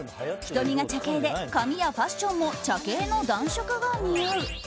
瞳が茶系で髪やファッションも茶系の暖色が似合う。